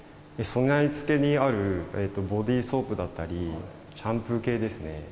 備え付けにあるボディーソープだったり、シャンプー系ですね。